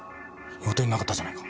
予定になかったじゃないか。